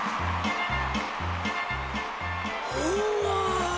うわ！